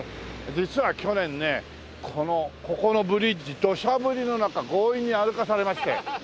実は去年ねこのここのブリッジ土砂降りの中強引に歩かされまして。